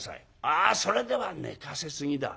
あそれでは寝かせすぎだ。